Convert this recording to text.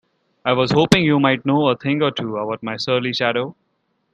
I was hoping you might know a thing or two about my surly shadow?